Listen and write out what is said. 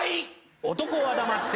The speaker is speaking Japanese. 男は黙って。